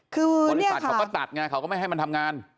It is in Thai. คือบริษัทเขาก็ตัดไงเขาก็ไม่ให้มันทำงาน